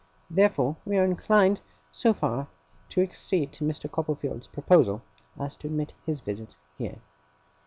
Therefore we are inclined so far to accede to Mr. Copperfield's proposal, as to admit his visits here.